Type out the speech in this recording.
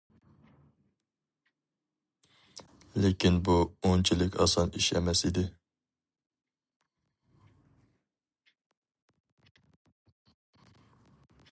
لېكىن بۇ ئۇنچىلىك ئاسان ئىش ئەمەس ئىدى.